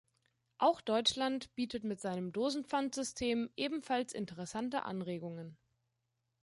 Auch Deutschland bietet mit seinem Dosenpfand-System ebenfalls interessante Anregungen.